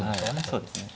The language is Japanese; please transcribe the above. そうですね。